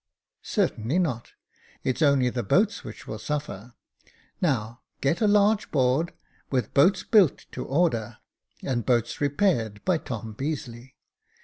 Certainly not ; it's only the boats which will suffer. Now, get a large board, with * Boats built to order, and boats repaired, by Tom Beazeley.'